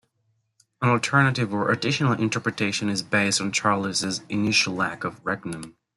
An alternative or additional interpretation is based on Charles' initial lack of a "regnum".